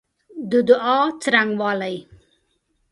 د دعا څرنګوالی